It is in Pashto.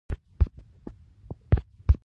دوی ورته وویل چې نن درېیمه ده.